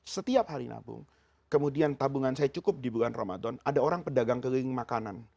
setiap hari nabung kemudian tabungan saya cukup di bulan ramadan ada orang pedagang keliling makanan